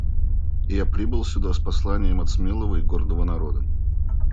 Я прибыл сюда с посланием от смелого и гордого народа.